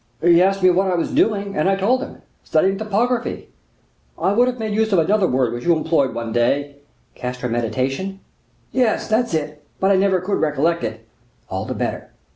"He asked me what I was doing, and I told him—studying topography. I would have made use of another word which you employed one day." "'Castrametation'?" "Yes, that's it; but I never could recollect it." "All the better.